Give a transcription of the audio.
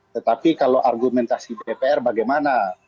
tetapi kalau argumentasi dpr bagaimana